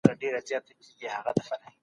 ښه ذهنیت هدف نه دروي.